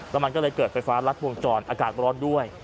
แล้วมันก็เลยเกิดไฟฟ้ารัดวงจรอากาศร้อนด้วย